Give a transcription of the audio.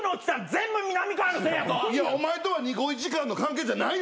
いやお前とはニコイチ感の関係じゃないのよ。